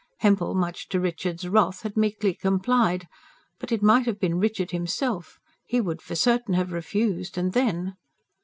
Hempel, much to Richard's wrath, had meekly complied; but it might have been Richard himself; he would for certain have refused; and then....